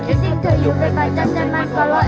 คิดดิ่งเธออยู่ไปไปจัดใจมันก็รอเอาไป